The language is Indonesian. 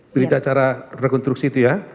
berita acara rekonstruksi itu ya